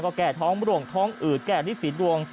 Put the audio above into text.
ก็แก้ท้องร่วงท้องอืดแก้นิสีดวง